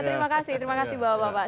terima kasih terima kasih bapak bapak